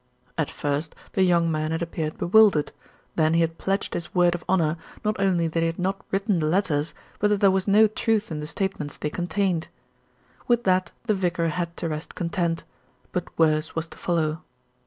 At first the young man had appeared bewildered; then he had pledged his word of honour, not only that he had not written the letters, but that there was no truth in the statements they contained. With that the vicar had to rest content; but worse was to follow.